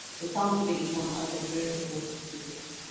The town today is known as the Boyeros Municipality.